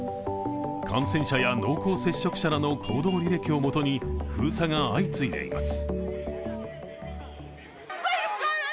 感染者や濃厚接触者らの行動履歴をもとに封鎖が相次いでいます。